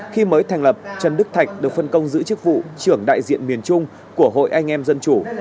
khi mới thành lập trần đức thạch được phân công giữ chức vụ trưởng đại diện miền trung của hội anh em dân chủ